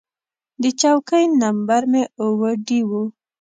د چوکۍ نمبر مې اووه ډي و.